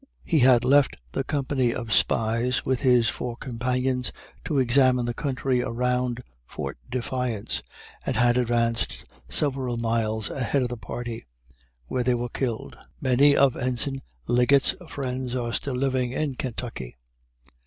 He had left the company of spies, with his four companions, to examine the country around Fort Defiance, and had advanced several miles ahead of the party where they were killed. Many of Ensign Liggett's friends are still living in Kentucky.